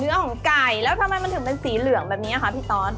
ของไก่แล้วทำไมมันถึงเป็นสีเหลืองแบบนี้ค่ะพี่ตอส